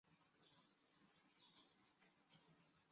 杂种鱼鳔槐为豆科鱼鳔槐属下的一个种。